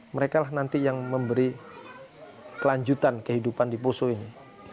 mereka lah nanti yang memberi kelanjutan kehidupan di poso ini